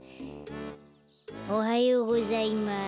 おはようございます。